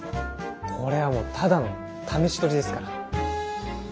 これはただの試し撮りですから。